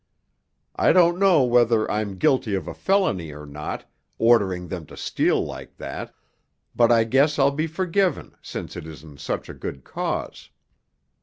I don't know whether I'm guilty of a felony or not, ordering them to steal like that, but I guess I'll be forgiven, since it is in such a good cause.